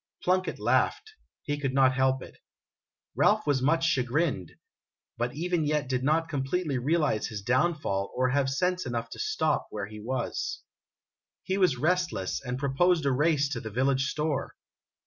Plunkett laughed ; he could not help it. Ralph was much chagrined, but even yet did not completely realize his downfall or have sense enough to stop where he was. LITTLE PLUNKETT'S " COUSIN ' 167 He was restless, and proposed a race to the village store.